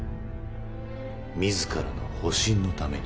自らの保身のために。